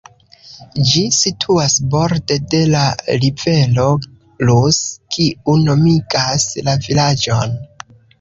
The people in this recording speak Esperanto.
Ĝi situas borde de la rivero Rus, kiu nomigas la vilaĝon.